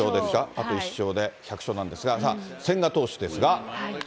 あと１勝で１００勝なんですが、さあ、千賀投手ですが。